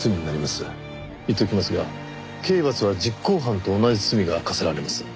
言っておきますが刑罰は実行犯と同じ罪が科せられます。